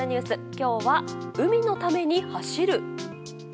今日は、海のために走る。